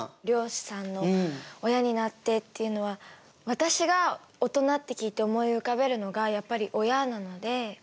漁師さんの「親になって」っていうのは私がオトナって聞いて思い浮かべるのがやっぱり親なので。